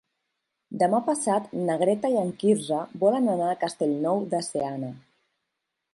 Demà passat na Greta i en Quirze volen anar a Castellnou de Seana.